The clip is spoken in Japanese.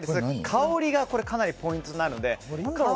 香りがかなりポイントになります。